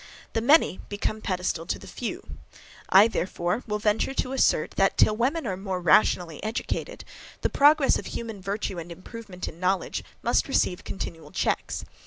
The many become pedestal to the few. I, therefore will venture to assert, that till women are more rationally educated, the progress of human virtue and improvement in knowledge must receive continual checks.